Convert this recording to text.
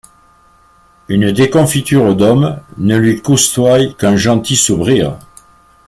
Une desconficture d’hommes ne lui coustoyt qu’ung gentil soubrire.